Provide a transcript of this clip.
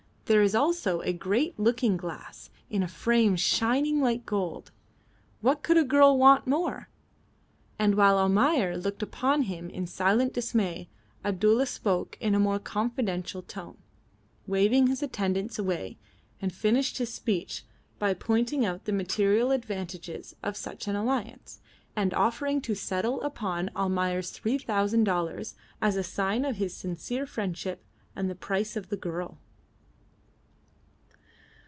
There is also a great looking glass in a frame shining like gold. What could a girl want more?" And while Almayer looked upon him in silent dismay Abdulla spoke in a more confidential tone, waving his attendants away, and finished his speech by pointing out the material advantages of such an alliance, and offering to settle upon Almayer three thousand dollars as a sign of his sincere friendship and the price of the girl.